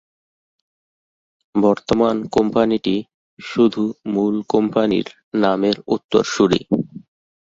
বর্তমান কোম্পানিটি শুধু মূল কোম্পানির নামের উত্তরসূরি।